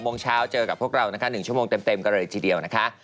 โมงเช้าเจอกับพวกเรานะคะ๑ชั่วโมงเต็มกันเลยทีเดียวนะคะ